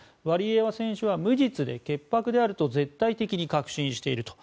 ワリエワ選手は無実で潔白であると絶対的に確信している。